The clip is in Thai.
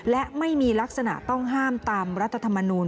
และไม่มีลักษณะต้องห้ามตามรัฐธรรมนูล